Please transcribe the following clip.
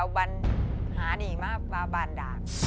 ออาหาริมาบ้านด่าน